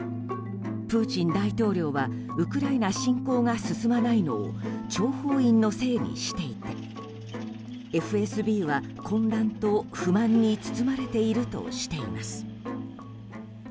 プーチン大統領はウクライナ侵攻が進まないのを諜報員のせいにしていてＦＳＢは混乱と不満に包まれているとしています。